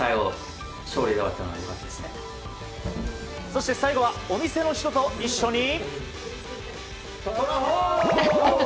そして最後はお店の人と一緒に。